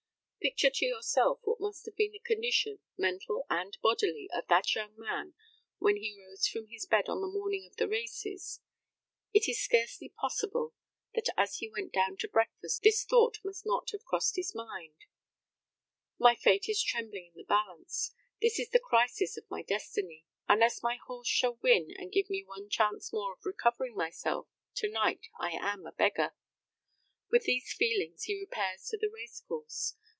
Picture to yourself what must have been the condition, mental and bodily, of that young man when he rose from his bed on the morning of the races. It is scarcely possible that as he went down to breakfast this thought must not have crossed his mind, "My fate is trembling in the balance: this is the crisis of my destiny; unless my horse shall win and give me one chance more of recovering myself, to night I am a beggar." With these feelings he repairs to the race course.